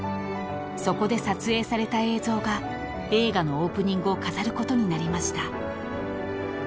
［そこで撮影された映像が映画のオープニングを飾ることになりました］